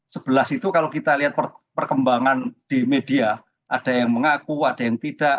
sebelas itu kalau kita lihat perkembangan di media ada yang mengaku ada yang tidak